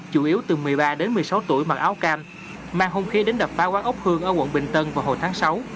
chủ yếu từ một mươi ba đến một mươi sáu tuổi mặc áo cam mang hung khí đến đập phá quán ốc hương ở quận bình tân vào hồi tháng sáu